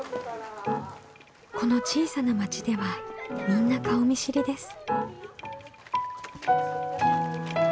この小さな町ではみんな顔見知りです。